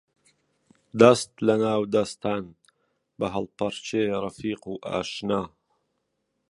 دەس لە ناو دەستان، بە هەڵپەڕکێ ڕەفیق و ئاشنا